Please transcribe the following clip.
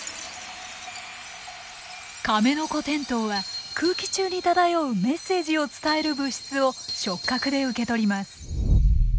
カメノコテントウは空気中に漂うメッセージを伝える物質を触角で受け取ります。